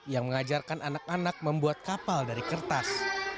yang mengajarkan anak anak membuat kapal dari kertas